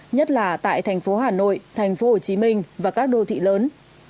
nhất là tại thành phố hà nội thành phố hồ chí minh và các đô thị lớn